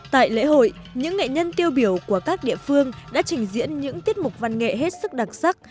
tại lễ hội những nghệ nhân tiêu biểu của các địa phương đã trình diễn những tiết mục văn nghệ hết sức đặc sắc